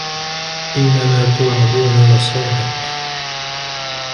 إنما توعدون لصادق